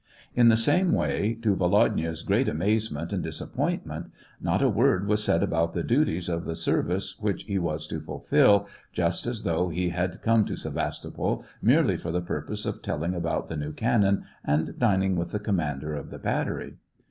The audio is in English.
In the same way, to 2l8 SEVASTOPOL IN AUGUST. Volodya's great amazement and disappointment, not a word was said about the duties of the ser vice which he was to fulfil, just as though he had come to Sevastopol merely for the purpose of telling about the new cannon and dining with the commander of the battery.